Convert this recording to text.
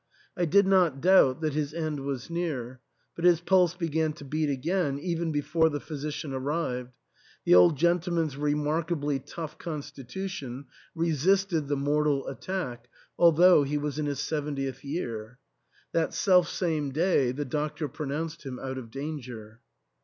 I did not doubt that his end was near. But his pulse began to beat again, even before the physician arrived ; the old gentleman's remarkably tough constitution resisted the mortal attack, although he was in his seventieth year. That selfsame day the doctor pronounced him out of danger.